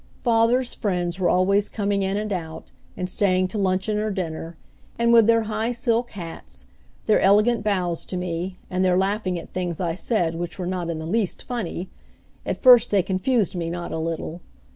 Father's friends were always coming in and out, and staying to luncheon or dinner, and with their high silk hats, their elegant bows to me, and their laughing at things I said which were not in the least funny, at first they confused me not a little.